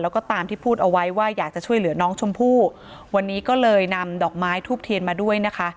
แล้วก็ตามที่พูดเอาไว้ว่าอยากจะช่วยเหลือน้องชมพู่วันนี้ก็เลยนำดอกไม้ทูบเทียนมาด้วยนะคะ